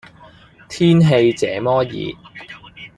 天氣這麼熱